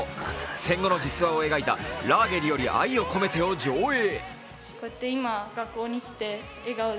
戦後の実話を描いた「ラーゲリより愛を込めて」を上映。